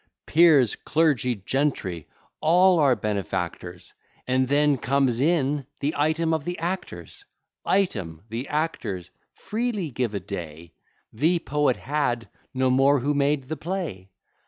Peers, clergy, gentry, all are benefactors; And then comes in the item of the actors. Item, The actors freely give a day The poet had no more who made the play.